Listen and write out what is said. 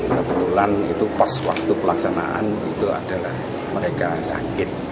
kebetulan itu pos waktu pelaksanaan itu adalah mereka sakit